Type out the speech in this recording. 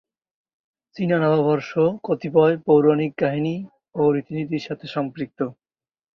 চীনা নববর্ষ কতিপয় পৌরাণিক কাহিনী ও রীতিনীতির সাথে সম্পৃক্ত।